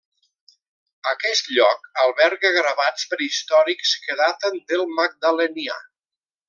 Aquest lloc alberga gravats prehistòrics que daten del Magdalenià.